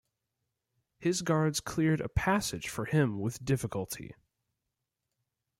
His guards cleared a passage for him with difficulty.